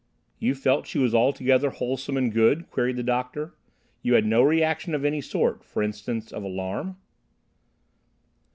"You felt she was altogether wholesome and good!" queried the doctor. "You had no reaction of any sort—for instance, of alarm?"